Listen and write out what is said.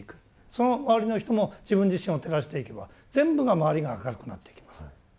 その周りの人も自分自身を照らしていけば全部が周りが明るくなってきます。